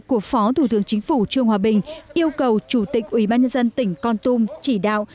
của phó thủ tướng chính phủ trương hòa bình yêu cầu chủ tịch ubnd tỉnh con tum chỉ đạo